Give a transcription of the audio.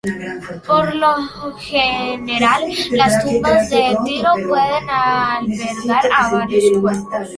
Por lo general las tumbas de tiro pueden albergar a varios cuerpos.